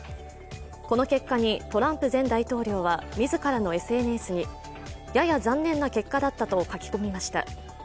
この結果にトランプ前大統領は自らのＳＮＳにやや残念な結果だったと書き込みました。